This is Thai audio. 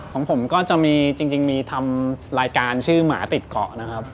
ของผมก็จะมีจริงมีทำรายการชื่อหมาติดเกาะนะครับ